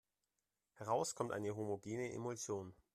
Heraus kommt eine homogene Emulsion.